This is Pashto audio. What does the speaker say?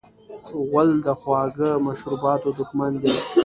غول د خواږه مشروباتو دښمن دی.